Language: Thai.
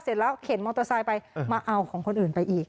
เสร็จแล้วเข็นมอเตอร์ไซค์ไปมาเอาของคนอื่นไปอีก